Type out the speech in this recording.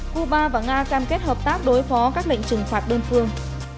cuba và nga cam kết hợp tác đối phó các lệnh trừng phạt đơn phương